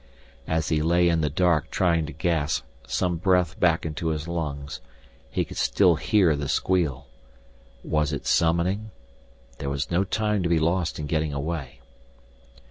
As he lay in the dark trying to gasp some breath back into his lungs, he could still hear the squeal. Was it summoning? There was no time to be lost in getting away.